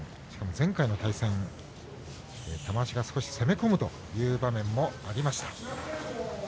前回の対戦、玉鷲が少し攻め込むという場面もありました。